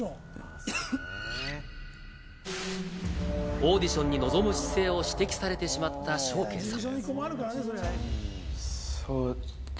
オーディションに臨む姿勢を指摘されてしまった祥恵さん。